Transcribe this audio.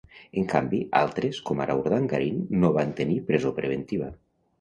En canvi, altres com ara Urdangarin no van tenir presó preventiva.